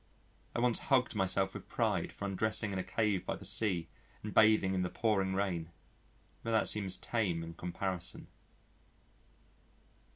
I once hugged myself with pride for undressing in a cave by the sea and bathing in the pouring rain, but that seems tame in comparison.